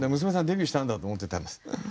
デビューしたんだと思ってたんです。